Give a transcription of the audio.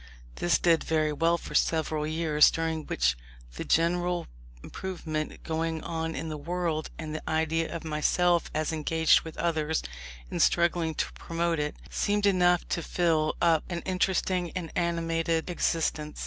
This did very well for several years, during which the general improvement going on in the world and the idea of myself as engaged with others in struggling to promote it, seemed enough to fill up an interesting and animated existence.